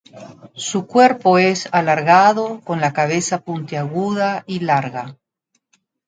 Su cuerpo es alargado con la cabeza puntiaguda y larga.